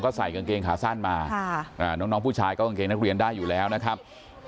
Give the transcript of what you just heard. ใส่กางเกงขาสั้นมาน้องผู้ชายก็กางเกงนักเรียนได้อยู่แล้วนะครับ